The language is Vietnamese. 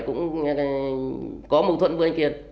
cũng có mâu thuẫn với anh kiên